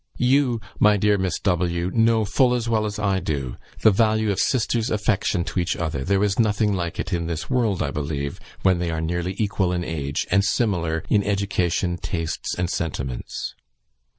"You, my dear Miss W , know, full as well as I do, the value of sisters' affection to each other; there is nothing like it in this world, I believe, when they are nearly equal in age, and similar in education, tastes, and sentiments.